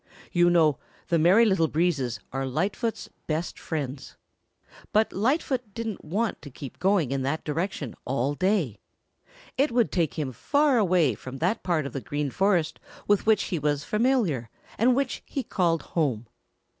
You know the Merry Little Breezes are Lightfoot's best friends. But Lightfoot didn't want to keep going in that direction all day. It would take him far away from that part of the Green Forest with which he was familiar and which he called home.